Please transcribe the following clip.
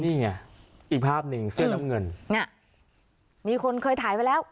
นี่ไงอีกภาพหนึ่งเสื้อน้ำเงินเนี่ยมีคนเคยถ่ายไว้แล้ว